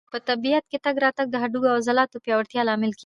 په طبیعت کې تګ راتګ د هډوکو او عضلاتو د پیاوړتیا لامل کېږي.